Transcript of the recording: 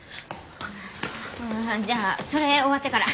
ああじゃあそれ終わってから。